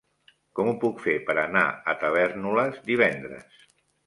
Com ho puc fer per anar a Tavèrnoles divendres?